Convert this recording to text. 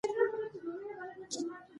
موږ هم لکه ښيښه، چې سوتره به يې کړو.